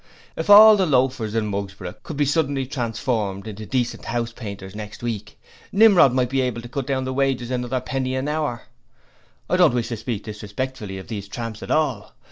If all the loafers in Mugsborough could suddenly be transformed into decent house painters next week, Nimrod might be able to cut down the wages another penny an hour. I don't wish to speak disrespectfully of these tramps at all.